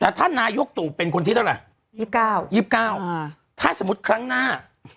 แต่ท่านนายกตู่เป็นคนที่เท่าไหร่๒๙๒๙ถ้าสมมุติครั้งหน้า